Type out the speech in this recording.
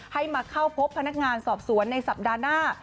ให้มาเข้าพบพนักงานสอบสวนในสัปดาห์หน้า